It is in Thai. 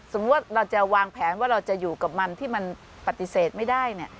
เราจะวางแผนว่าเราจะอยู่กับมันที่มันปฏิเสธไม่ได้